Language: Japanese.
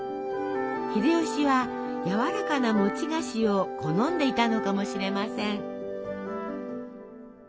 秀吉はやわらかな餅菓子を好んでいたのかもしれません。